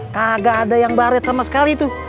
kagak ada yang baret sama sekali tuh